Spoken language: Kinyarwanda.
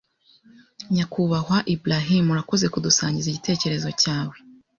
Nyakubahwa Ibrahim, urakoze kudusangiza igitekerezo cyawe